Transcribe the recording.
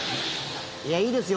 いや、いいですよ